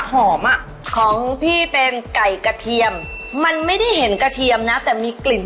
หอมอ่ะของพี่เป็นไก่กระเทียมมันไม่ได้เห็นกระเทียมนะแต่มีกลิ่น